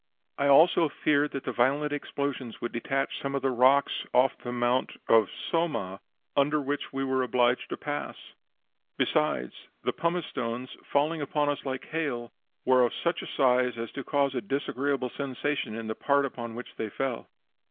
"I also feared that the violent explosions would detach some of the rocks off the mountain of Somma, under which we were obliged to pass; besides, the pumice stones, falling upon us like hail, were of such a size as to cause a disagreeable sensation in the part upon which they fell.